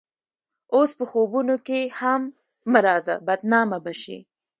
اوس په خوبونو کښې هم مه راځه بدنامه به شې